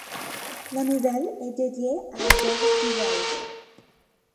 La nouvelle est dédiée à Georges Duval.